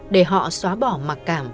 để họ xóa bỏ mặc cảm